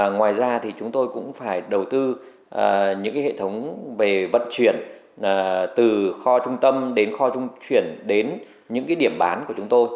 ngoài ra thì chúng tôi cũng phải đầu tư những hệ thống về vận chuyển từ kho trung tâm đến kho trung chuyển đến những điểm bán của chúng tôi